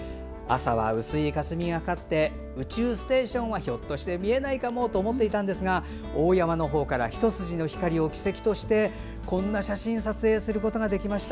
朝は薄いかすみがかかって宇宙ステーションがひょっとして見えないかもと思っていたんですが大山の方から一筋の光を軌跡としてこんな写真を撮影することができました。